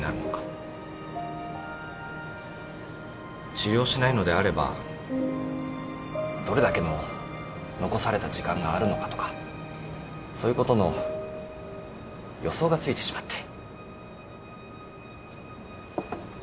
治療しないのであればどれだけの残された時間があるのかとかそういうことの予想がついてしまって。